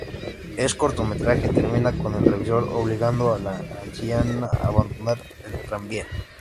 El cortometraje termina con el revisor obligando a la anciana a abandonar el tranvía.